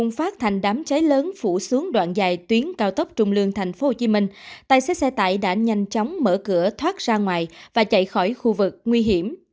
cùng phát thành đám cháy lớn phủ xuống đoạn dài tuyến cao tốc trung lương thành phố hồ chí minh tài xế xe tải đã nhanh chóng mở cửa thoát ra ngoài và chạy khỏi khu vực nguy hiểm